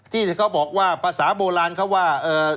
ที่เขาบอกว่าภาษาโบราณเขาว่า